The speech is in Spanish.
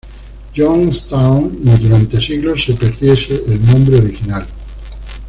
John's Town" y, durante siglos, se perdiese el nombre original.